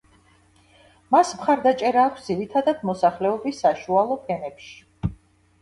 მას მხარდაჭერა აქვს ძირითადად მოსახლეობის საშუალო ფენებში.